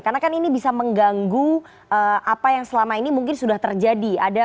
karena kan ini bisa mengganggu apa yang selama ini mungkin sudah terjadi